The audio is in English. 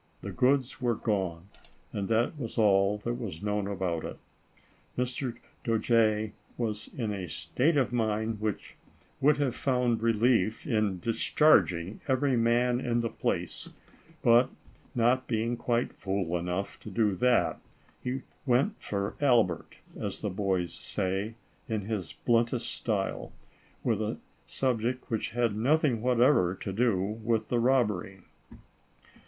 The goods were gone, and that was all that was known about it. Mr. Dojere was in a state of mind, which would have found relief in discharging every man in the place, but, not being quite fool enough to do that, he " went for " Albert, as the boys say, in his blunt est style, with a subject which had nothing what ever to do with the robbery.